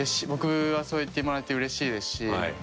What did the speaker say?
僕は、そう言ってもらえてうれしいですし。